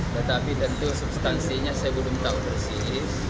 tetapi tentu substansinya saya belum tahu persis